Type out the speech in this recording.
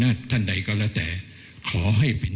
ก็ต้องแล้วมาเลย